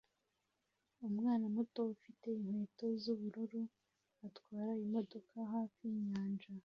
Umwana muto ufite inkweto z'ubururu atwara imodoka hafi yinyanja